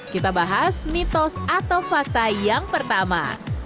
kita bahas mitos atau fakta yang pertama